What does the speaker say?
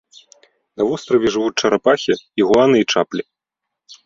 На востраве жывуць чарапахі, ігуаны і чаплі.